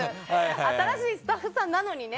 新しいスタッフさんなのにね。